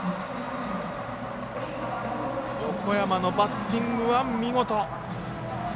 横山のバッティングは見事。